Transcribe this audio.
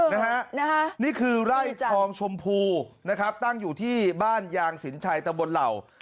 นะฮะนี่คือไร่ทองชมพูนะครับตั้งอยู่ที่บ้านยางสินชัยตะบนเหล่า